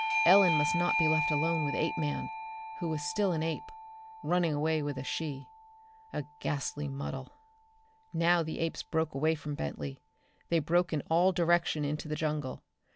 Ellen must not be left alone with Apeman, who was still an ape, running away with a she. A ghastly muddle. Now the apes broke away from Bentley. They broke in all direction into the jungle.